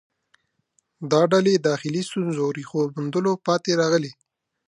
دا ډلې داخلي ستونزو ریښو موندلو پاتې راغلې